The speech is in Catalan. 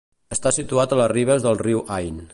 Està situat a les ribes del riu Ain.